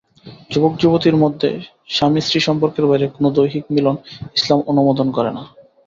যুবক-যুবতীর মধ্যে স্বামী-স্ত্রী সম্পর্কের বাইরে কোনো দৈহিক মিলন ইসলাম অনুমোদন করে না।